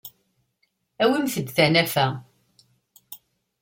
Awimt-d tanafa.